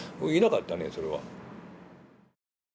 いなかったねそれは。